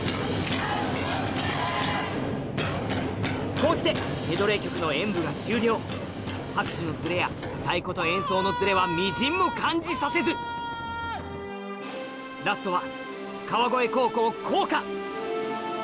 こうしてメドレー曲の演舞が終了拍手のズレや太鼓と演奏のズレはみじんも感じさせずラストは